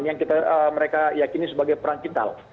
yang kita mereka yakini sebagai perang kental